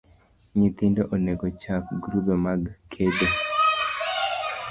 Nyithindo onego ochak grube mag kedo